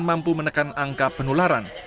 mampu menekan angka penularan